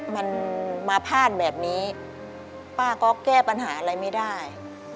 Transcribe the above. มันมาพลาดแบบนี้ป้าก็แก้ปัญหาอะไรไม่ได้